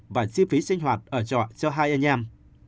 và chi phí sinh hoạt ở trọ cho hai anh em